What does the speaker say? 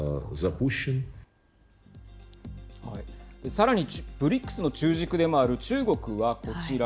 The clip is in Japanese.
さらに、ＢＲＩＣＳの中軸でもある中国は、こちら。